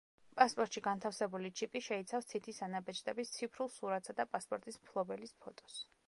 პასპორტში განთავსებული ჩიპი შეიცავს თითის ანაბეჭდების ციფრულ სურათსა და პასპორტის მფლობელის ფოტოს.